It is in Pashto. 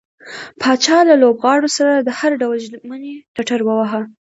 پاچا له لوبغاړو سره د هر ډول ژمنې ټټر واوهه.